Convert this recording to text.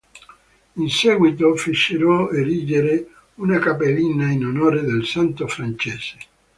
In seguito fecero erigere una cappellina in onore del santo francese.